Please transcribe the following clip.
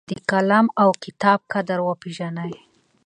د قلم او کتاب قدر وپېژنئ.